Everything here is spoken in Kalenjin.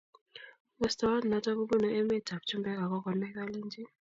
Mestowot noto kobunu emet ab chumbek ak kokonai kalenjin